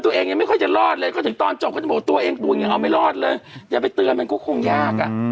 ตัวเองใช้ว่าตัวเองจะรอบคนตัวเองก็โดนหนักอืมเอ้า